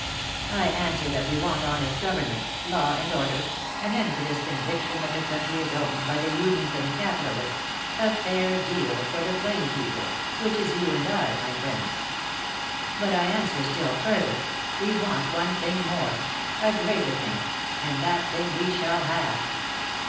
"I answer that we want honest government, law and order, an end to this conviction that the country is owned by the unions and the capitalists, a fair deal for the plain people, which is you and I, my friends. But I answer still further, we want one thing more, a greater thing, and that thing we shall have.